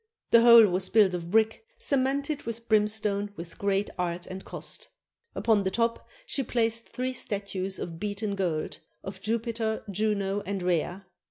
The whole was built of brick, cemented with brimstone with great art and cost. Upon the top she placed three statues of beaten gold, of Jupiter, Juno, and Rhea.